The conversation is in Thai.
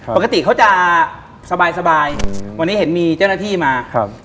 ปกติเขาจะสบายวันนี้เห็นมีเจ้าหน้าที่มา